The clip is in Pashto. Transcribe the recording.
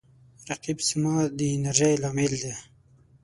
رقیب زما د انرژۍ لامل دی